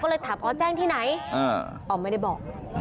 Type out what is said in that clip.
ก็เลยถามอ๋อแจ้งที่ไหนอ๋อไม่ได้บอก